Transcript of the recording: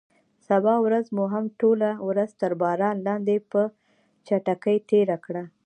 سبا ورځ مو هم ټوله ورځ تر باران لاندې په چټکۍ تېره کړه.